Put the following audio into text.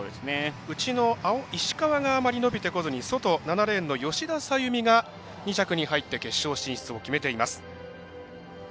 内の石川が伸びずに外、７レーンの吉田紗弓が２着に入って決勝進出を決めています。